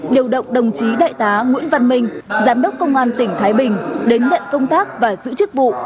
điều động đồng chí đại tá nguyễn văn minh giám đốc công an tỉnh thái bình đến nhận công tác và giữ chức vụ